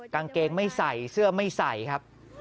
กางเกงไม่ใส่เสื้อไม่ใส่ครับ